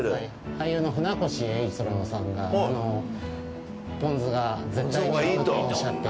俳優の船越英一郎さんがポン酢が絶対に合うとおっしゃって。